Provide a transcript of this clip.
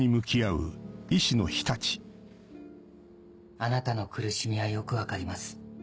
あなたの苦しみはよく分かります。